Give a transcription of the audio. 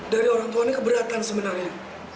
dari orang tuanya keberatan sebenarnya